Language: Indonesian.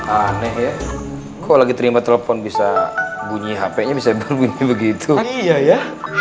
aneh ya kok lagi terima telepon bisa bunyi hp nya bisa berbunyi begitu iya ya